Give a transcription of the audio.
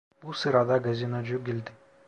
Bu sırada gazinocu geldi.